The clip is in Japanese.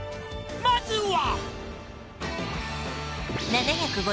「まずは」